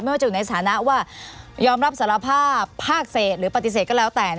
ว่าจะอยู่ในสถานะว่ายอมรับสารภาพภาคเศษหรือปฏิเสธก็แล้วแต่